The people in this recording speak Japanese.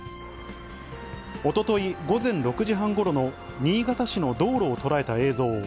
おととい午前６時半ごろの新潟市の道路を捉えた映像。